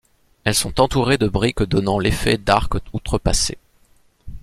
Elles sont entourées de briques donnant l'effet d'arcs outrepassés.